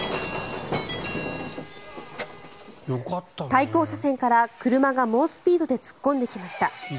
対向車線から車が猛スピードで突っ込んできました。